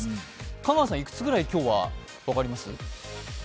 香川さん、いくつぐらい、今日は分かります？